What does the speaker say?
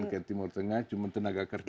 sedangkan ke timur tengah cuma tenaga barat